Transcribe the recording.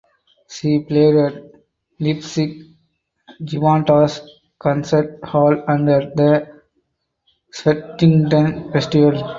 She played at the Leipzig Gewandhaus concert hall and at the Schwetzingen Festival.